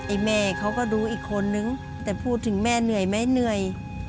แม่เขาก็ดูอีกคนนึงแต่พูดถึงแม่เหนื่อยไหมเหนื่อย